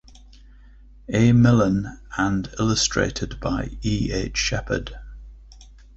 A. Milne and illustrated by E. H. Shepard.